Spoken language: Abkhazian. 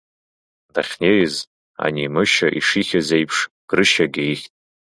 Дахьнеиз, ани Мышьа ишихьыз еиԥш, Грышьагьы ихьт.